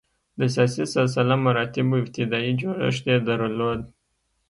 د سیاسي سلسله مراتبو ابتدايي جوړښت یې درلود.